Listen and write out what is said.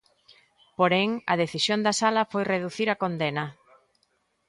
Porén, a decisión da sala foi reducir a condena.